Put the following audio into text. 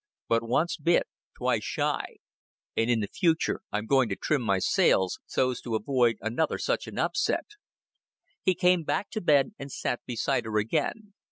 But once bit, twice shy; and in the future I'm going to trim my sails so's to avoid another such an upset." He came back to the bed, and sat beside her again.